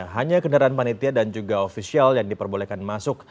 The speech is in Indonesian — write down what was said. hanya kendaraan panitia dan juga ofisial yang diperbolehkan masuk